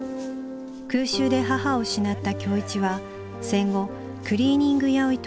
空襲で母を失った今日一は戦後クリーニング屋を営む